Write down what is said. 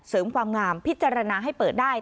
เสริมความงามพิจารณาให้เปิดได้